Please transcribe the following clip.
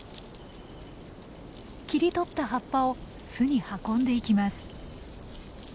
切り取った葉っぱを巣に運んでいきます。